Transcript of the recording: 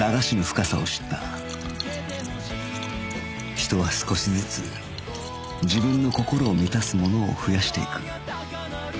人は少しずつ自分の心を満たすものを増やしていく